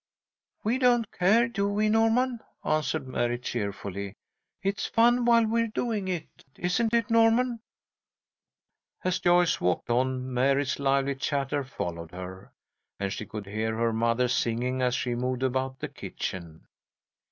"We don't care, do we, Norman?" answered Mary, cheerfully. "It's fun while we're doing it, isn't it, Norman?" As Joyce walked on, Mary's lively chatter followed her, and she could hear her mother singing as she moved about the kitchen.